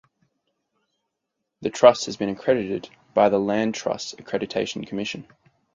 The Trust has been accredited by the Land Trust Accreditation Commission.